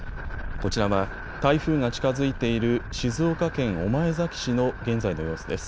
こちらは台風が近づいている静岡県御前崎市の現在の様子です。